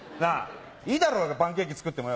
いいだろうがパンケーキ作ってもよ。